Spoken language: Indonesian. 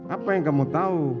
apa yang kamu tahu